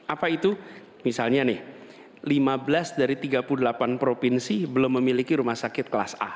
apa itu misalnya nih lima belas dari tiga puluh delapan provinsi belum memiliki rumah sakit kelas a